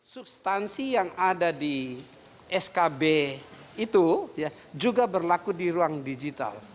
substansi yang ada di skb itu juga berlaku di ruang digital